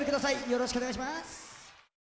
よろしくお願いします。